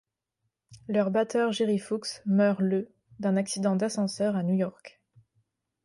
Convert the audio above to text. Leur batteur Jerry Fuchs meurt le d'un accident d'ascenseur à New York.